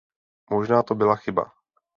Možná to byla chyba.